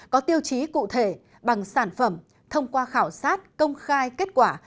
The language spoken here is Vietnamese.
có tiêu chí cụ thể bằng sản phẩm thông qua khảo sát công khai kết quả